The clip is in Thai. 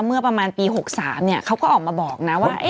เมื่อประมาณปีหกสามเนี้ยเขาก็ออกมาบอกนะว่าเอ๊ะ